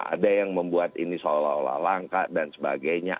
ada yang membuat ini seolah olah langka dan sebagainya